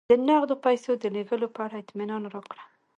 د نغدو پیسو د لېږلو په اړه اطمینان راکړه.